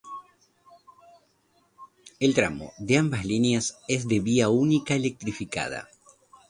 El tramo de ambas líneas es de vía única electrificada.